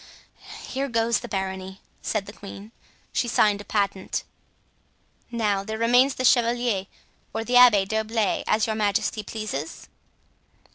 "Here goes the barony." said the queen; she signed a patent. "Now there remains the chevalier, or the Abbé d'Herblay, as your majesty pleases."